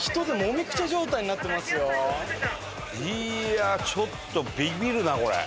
いやちょっとビビるなあこれ。